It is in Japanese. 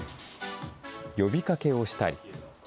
呼びかけをしたり。